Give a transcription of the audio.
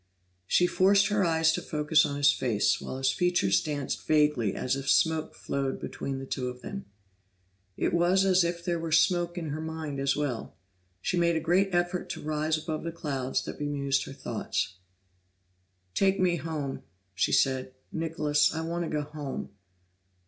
She forced her eyes to focus on his face, while his features danced vaguely as if smoke flowed between the two of them. It was as if there were smoke in her mind as well; she made a great effort to rise above the clouds that bemused her thoughts. "Take me home," she said. "Nicholas, I want to go home."